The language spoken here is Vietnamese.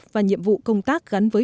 và nhiệm vụ công tác gắn với